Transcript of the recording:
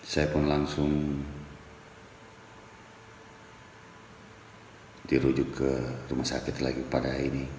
saya pun langsung dirujuk ke rumah sakit lagi pada ini